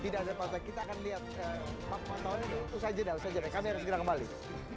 tadi pemilu perjalanan dengan baik